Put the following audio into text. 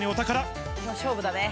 勝負だね。